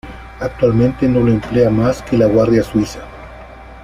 Actualmente no lo emplea más que la Guardia Suiza.